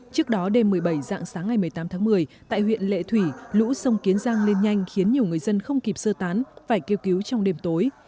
trước đó đêm một mươi bảy dạng sáng ngày một mươi tám tháng một mươi tại huyện lệ thủy lũ sông kiến giang lên nhanh khiến nhiều người dân không kịp sơ tán phải kêu cứu trong đêm tối